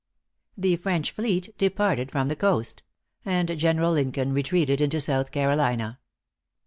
The French fleet departed from the coast; and General Lincoln retreated into South Carolina.